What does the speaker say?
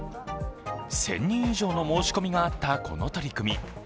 １０００人以上の申し込みがあったこの取り組み。